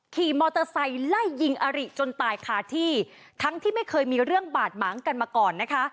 ขี่มอเตอร์ไซค์ไล่ยิงอาริจนตายคาที่ทั้งที่ไม่เคยมีเรื่องบาดหมางกันมาก่อนนะคะ